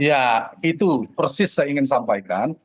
ya itu persis saya ingin sampaikan